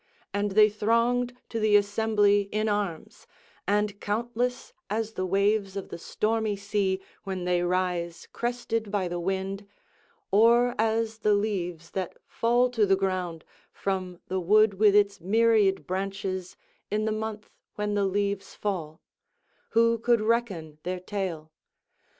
And they thronged to the assembly in arms; and countless as the waves of the stormy sea when they rise crested by the wind, or as the leaves that fall to the ground from the wood with its myriad branches in the month when the leaves fall—who could reckon their tale?